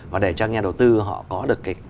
và để cho nhà đầu tư họ có được